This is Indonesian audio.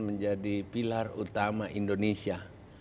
menjadi pilar utama indonesia